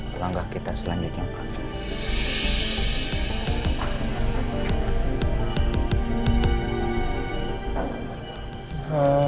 kalau enggak kita selanjutnya pak